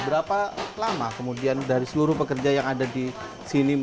berapa lama kemudian dari seluruh pekerja yang ada di sini